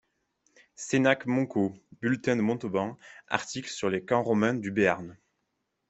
Cénac-Moncaut, Bulletin de Montauban, article sur les camps romains du Béarn.